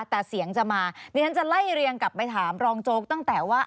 แต่เสียงจะมาดิฉันจะไล่เรียงกลับไปถามรองโจ๊กตั้งแต่ว่า